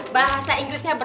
bahasa inggrisnya bread